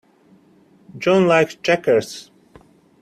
John likes checkers.